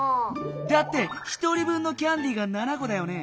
だって１人分のキャンディーが７こだよね？